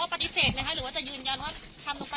พ่อทำจริงไหมคะพ่อ